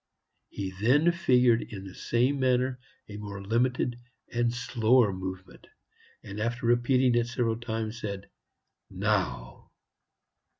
He then figured in the same manner a more limited and slower movement, and after repeating it several times, said, "Now."